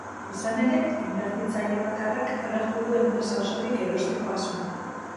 Izan ere, inbertitzaile bakarrak agertu du enpresa osorik erosteko asmoa.